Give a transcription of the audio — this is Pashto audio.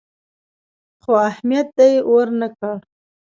خو اهميت دې ورنه کړ.